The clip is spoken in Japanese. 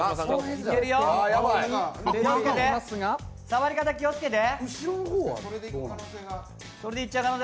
触り方、気をつけて。